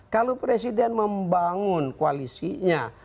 kalau presiden membangun koalisinya